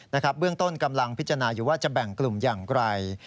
เบื้องต้นกำลังพิจารณาอยู่ว่าจะแบ่งกลุ่มอย่างไร